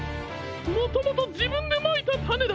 もともとじぶんでまいたたねだ。